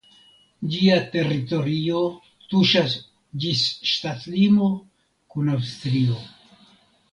Ĝia teritorio tuŝas ĝis ŝtatlimo kun Aŭstrio.